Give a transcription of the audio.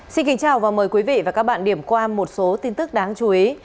xin kính chào và mời quý vị và các bạn điểm qua một số tin tức đáng chú ý